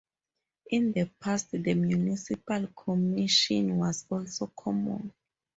In the past the municipal commission was also common.